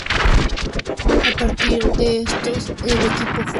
A partir de entonces el equipo fue renombrado a "Toyota Team Europe".